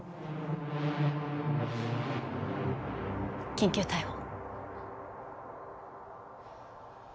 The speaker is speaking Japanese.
緊急逮捕。